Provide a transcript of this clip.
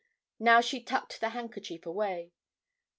Now she tucked the handkerchief away.